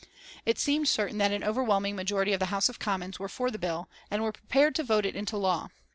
It seemed certain that an overwhelming majority of the House of Commons were for the bill, and were prepared to vote it into law.